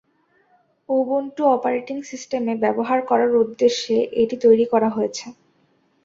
Ubuntu operating সিস্টেম-এ ব্যবহার করার উদ্দেশ্যে এটি তৈরী করা হয়েছে।